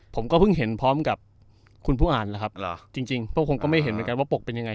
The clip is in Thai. ผมก็เพิ่งเห็นพร้อมกับคุณผู้อ่านแล้วครับจริงพวกผมก็ไม่เห็นเหมือนกันว่าปกเป็นยังไง